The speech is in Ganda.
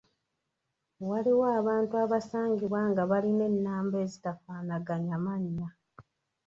Waliwo abantu abasangibwa nga balina ennamba ezitafaanaganya mannya.